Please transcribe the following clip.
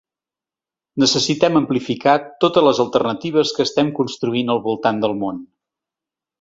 Necessitem amplificar totes les alternatives que estem construint al voltant del món.